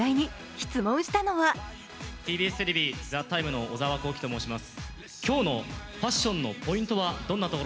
質問したのはＴＢＳテレビ、「ＴＨＥＴＩＭＥ，」の小沢光葵と申します。